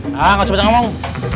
nah gak usah bercanda ngomong